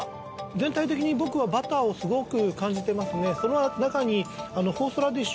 全体的に僕はバターをすごく感じてますね